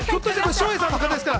照英さんですから。